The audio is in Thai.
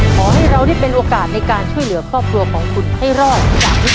ขอให้เราได้เป็นโอกาสในการช่วยเหลือครอบครัวของคุณให้รอดจากวิกฤต